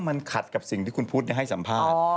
มันขัดกับสิ่งที่คุณพุทธให้สัมภาษณ์